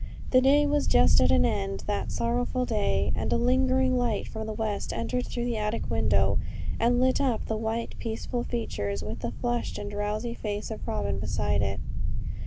The day was just at an end, that sorrowful day, and a lingering light from the west entered through the attic window, and lit up the white, peaceful features with the flushed and drowsy face of Robin beside it.